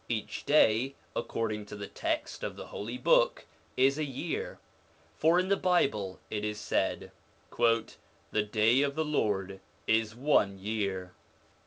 Each day, according to the text of the Holy Book, is a year. For in the Bible it is said :' The day of the Lord is one year.'